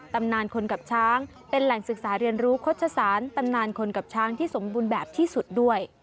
ตำนานคนกับช้างเป็นแหล่งศึกษาเรียนรู้โฆษศาลตำนานคนกับช้างที่สมบูรณ์แบบที่สุดด้วย